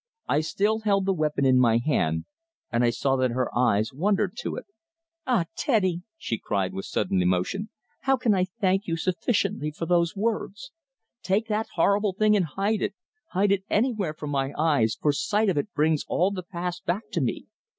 I still held the weapon in my hand, and I saw that her eyes wandered to it. "Ah! Teddy!" she cried, with sudden emotion. "How can I thank you sufficiently for those words? Take that horrible thing and hide it hide it anywhere from my eyes, for sight of it brings all the past back to me.